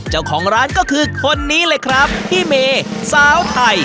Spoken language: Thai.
เจ้าของร้านก็คือคนนี้เลยครับพี่เมย์สาวไทย